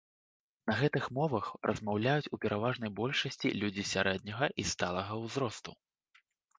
На гэтых мовах размаўляюць у пераважнай большасці людзі сярэдняга і сталага ўзросту.